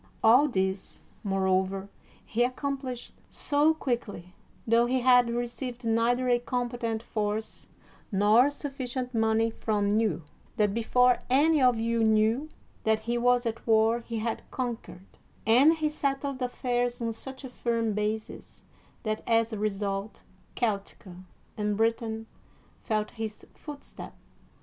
All this, moreover, he accomplished so quickly, tho he had received neither a competent force nor sufficient money from you, that before any of you knew that he was at war he had con quered; and he settled affairs on such a firm basis that as a result Celtica and Britain felt his footstep.